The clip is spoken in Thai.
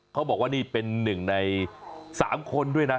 เขาบอกว่านี่เป็นหนึ่งใน๓คนด้วยนะ